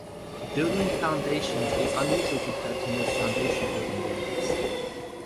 Building the foundations is unusual compared to most foundation-building games.